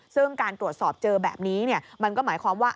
ซึ่งการตรวจสอบเจอแบบนี้มันก็หมายความว่า